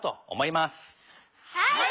はい。